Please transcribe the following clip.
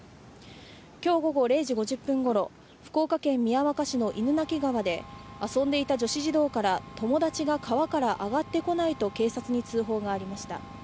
今日午後０時５０分ごろ福岡県宮若市の犬鳴川で遊んでいた女子児童から友達が川から上がってこないと警察に通報がありました。